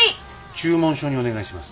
注文書にお願いします。